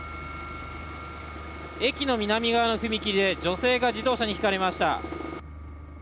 駅の南側の踏切で女性が自動車にひかれました。